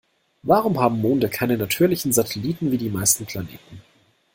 Warum haben Monde keine natürlichen Satelliten wie die meisten Planeten?